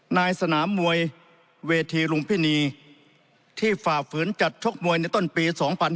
นายสนามมวยเวทีลุมพินีที่ฝ่าฝืนจัดชกมวยในต้นปี๒๕๕๙